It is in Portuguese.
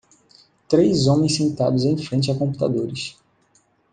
Três homens sentados em frente a computadores.